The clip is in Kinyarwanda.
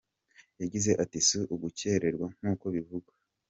Yagize ati “Si ugukererwa nk’uko bivugwa.